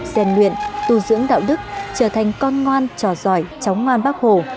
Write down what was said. gian luyện tu dưỡng đạo đức trở thành con ngoan trò giỏi cháu ngoan bác hổ